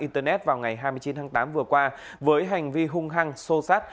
internet vào ngày hai mươi chín tháng tám vừa qua với hành vi hung hăng sô sát